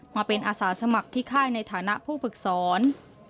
มาเป็นอาสาสมัครที่ค่ายในฐานะผู้ฝึกสอน